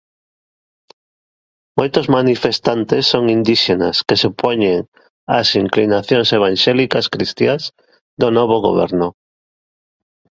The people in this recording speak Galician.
Moitos manifestantes son indíxenas que se opoñen ás inclinacións evanxélicas cristiás do novo goberno.